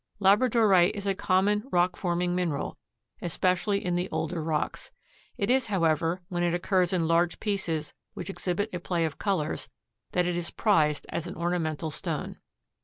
Labradorite is a common rock forming mineral, especially in the older rocks. It is only, however, when it occurs in large pieces which exhibit a play of colors that it is prized as an ornamental stone.